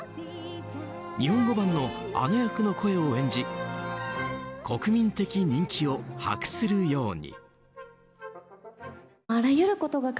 日本語版のアナ役の声を演じ国民的人気を博するように。